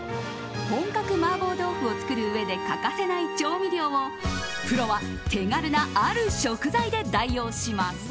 本格麻婆豆腐を作るうえで欠かせない調味料をプロは手軽なある食材で代用します。